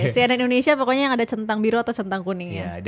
cnn indonesia pokoknya yang ada centang biru atau centang kuning ya